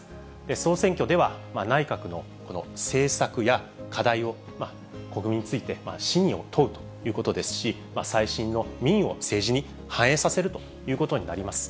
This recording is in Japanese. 総選挙では、内閣のこの政策や課題を、国民について信を問うということですし、最新の民意を政治に反映させるということになります。